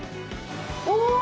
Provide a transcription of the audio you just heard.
お！